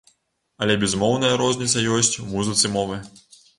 Але безумоўная розніца ёсць у музыцы мовы.